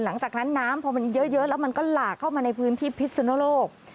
หลังจากนั้นน้ำพอมันเยอะแล้วมันก็หลากเข้ามาในพื้นที่พิษสุนโลก